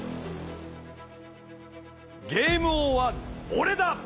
ゲーム王は俺だ！